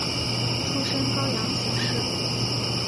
出身高阳许氏。